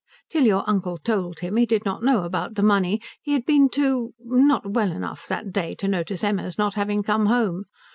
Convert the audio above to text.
Till your uncle told him, he did not know about the money, and had been too not well enough that day to notice Emma's not having come home.